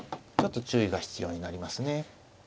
ちょっと注意が必要になりますね。